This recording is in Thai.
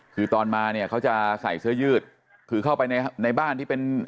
คือตอนมาเนี่ยเขาจะใส่เสื้อยืดคือเข้าไปในในบ้านที่เป็น